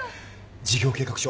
事業計画書